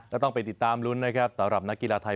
ต้องไปติดตามลุ้นนะครับสำหรับนักกีฬาไทย